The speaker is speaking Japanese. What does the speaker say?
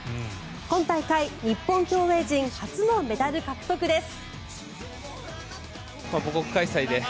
今大会日本競泳陣初のメダル獲得です。